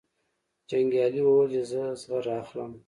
جنګیالي وویل چې زه زغره اخلم.